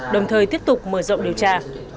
đồng thời tiếp tục mở rộng điều tra